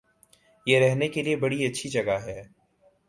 یہ رہنے کےلئے بڑی اچھی جگہ ہے